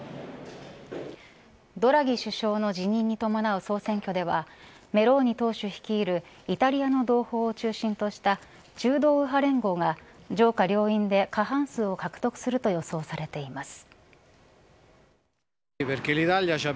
ドラギ首相の辞任に伴う総選挙ではメローニ党首率いるイタリアの同胞を中心とした中道右派連合が上下両院で過半数を獲得すると予想されています。